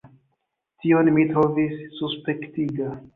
Tion mi trovis suspektiga.